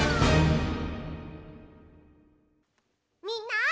みんな！